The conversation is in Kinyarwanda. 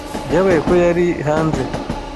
Byabaye ko yari hanze.